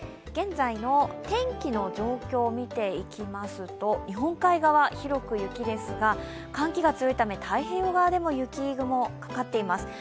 現在の天気の状況を見ていきますと、日本海側、広く雪ですが寒気が強いため太平洋側でも雪雲がかかっています。